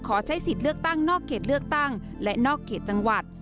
ใช้สิทธิ์เลือกตั้งนอกเขตเลือกตั้งและนอกเขตจังหวัด